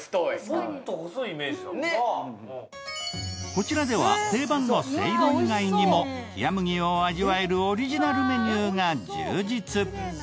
こちらでは定番のせいろ以外にも、ひやむぎを味わえるオリジナルメニューが充実。